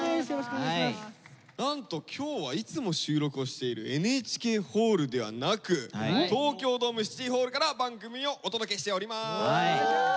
なんと今日はいつも収録をしているＮＨＫホールではなくＴＯＫＹＯＤＯＭＥＣＩＴＹＨＡＬＬから番組をお届けしております。